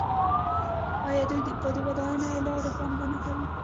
آیا دوی په ودانیو او لارو پانګونه نه کوي؟